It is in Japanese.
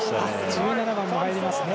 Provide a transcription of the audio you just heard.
１７番も入りますね。